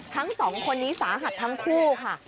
ทั้งสองคนนี้สาหัสทั้งคู่ค่ะ